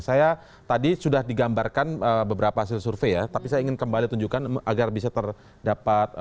saya tadi sudah digambarkan beberapa hasil survei ya tapi saya ingin kembali tunjukkan agar bisa terdapat